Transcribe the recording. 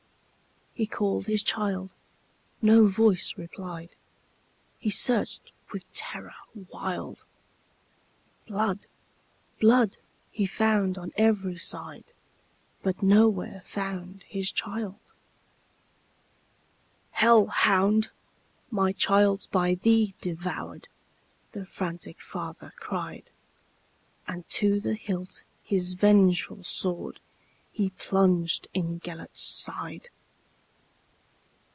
He called his child,—no voice replied,—He searched with terror wild; Blood, blood, he found on every side, But nowhere found his child."Hell hound! my child 's by thee devoured,"The frantic father cried; And to the hilt his vengeful swordHe plunged in Gêlert's side.